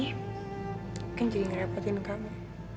mungkin jadi ngerepotin kamu